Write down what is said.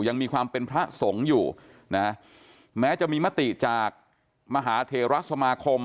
ยังมีความเป็นพระสงฆ์อยู่นะแม้จะมีมติจากมหาเทราสมาคม